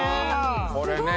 これね。